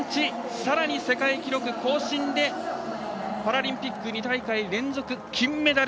さらに世界記録更新でパラリンピック２大会連続金メダル